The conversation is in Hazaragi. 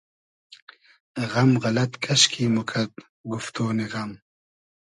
غئم غئلئد کئشکی موکئد گوفتۉنی غئم